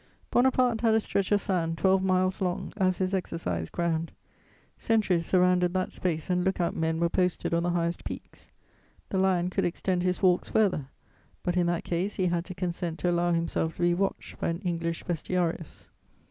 Bonaparte had a stretch of sand, twelve miles long, as his exercise ground; sentries surrounded that space and look out men were posted on the highest peaks. The lion could extend his walks further, but in that case he had to consent to allow himself to be watched by an English _bestiarius.